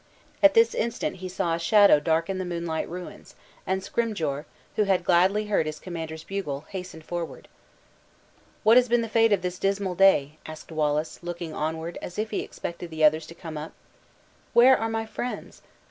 At this instant he saw a shadow darken the moonlight ruins, and Scrymgeour, who had gladly heard his commander's bugle, hastened forward. "What has been the fate of this dismal day?" asked Wallace, looking onward, as if he expected others to come up. "Where are my friends?